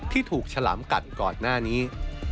ที่ถูกฉลามกัดก่อนหน้านี้